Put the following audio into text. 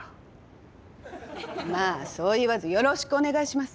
まあそう言わずよろしくお願いします。